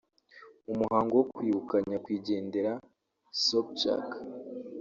mu muhango wo kwibuka nyakwigendera Sobchak